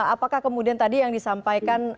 apakah kemudian tadi yang disampaikan